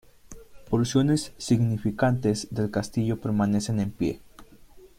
Porciones significantes del castillo permanecen en pie.